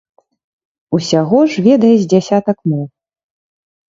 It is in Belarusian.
Усяго ж ведае з дзясятак моў.